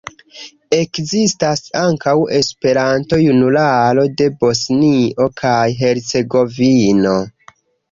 Ekzistas ankaŭ "Esperanto-Junularo de Bosnio kaj Hercegovino".